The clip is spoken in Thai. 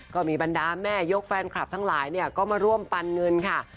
ก็มีบรรดาแม่ยกแฟนคลับทั้งหลายเนี่ยก็มาร่วมปันเงินค่ะ